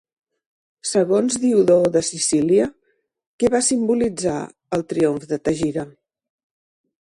Segons Diodor de Sicília, què va simbolitzar el triomf de Tegira?